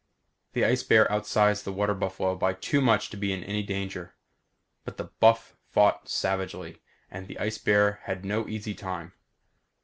The ice bear outsized the water buff by too much to be in any danger, but the buff fought savagely and the ice bear had no easy time.